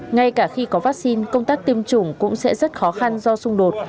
ngay cả khi có vaccine công tác tiêm chủng cũng sẽ rất khó khăn do xung đột